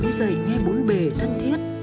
ông dạy nghe bốn bề thân thiết